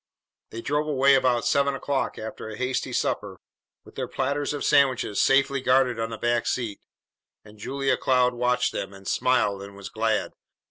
They drove away about seven o'clock after a hasty supper, with their platters of sandwiches safely guarded on the back seat; and Julia Cloud watched them, and smiled and was glad.